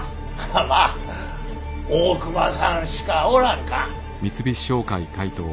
まぁ大隈さんしかおらんか。